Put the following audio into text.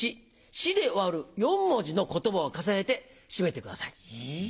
「し」で終わる４文字の言葉を重ねて締めてください。